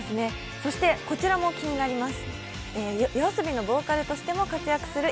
そしてこちらも気になります。